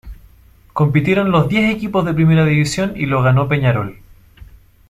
Compitieron los diez equipos de Primera División y lo ganó Peñarol.